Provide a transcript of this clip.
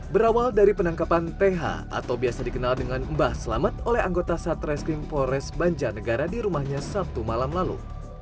berawal dari penangkapan th atau biasa dikenal dengan mbah selamat oleh anggota satreskrim polres banjarnegara di rumahnya sabtu malam lalu